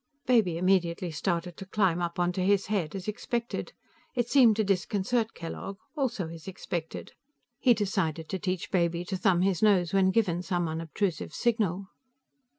Baby immediately started to climb up onto his head, as expected. It seemed to disconcert Kellogg, also as expected. He decided to teach Baby to thumb his nose when given some unobtrusive signal.